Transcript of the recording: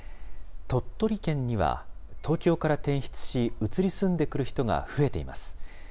鳥取県には、東京から転出し、移り住んでくる人が増えています。